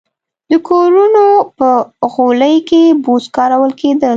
د کورونو په غولي کې بوس کارول کېدل